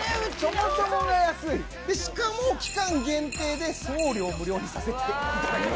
・そもそもが安い・しかも期間限定で送料無料にさせていただいてます。